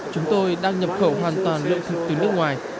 chúng tôi đang nhập khẩu hoàn toàn lượng thịt từ nước ngoài